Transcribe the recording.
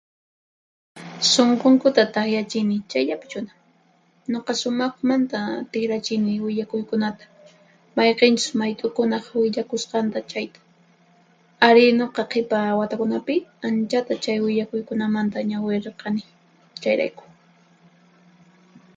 Sunqunkuta takyachini, chayllapi chuna. Nuqa sumaqmanta tiqrachini willakuykunata, mayqinchus mayt'ukunaq willakusqanta, chayta. Ari, nuqa qhipa watakunapi anchata chay willakuykunamanta ñawirirqani, chayrayku.